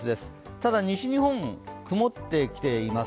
ただ、西日本、曇ってきています。